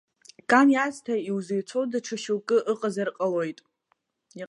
Кан иаасҭа иузеицәоу даҽа шьоукгьы ыҟазар ҟалоит.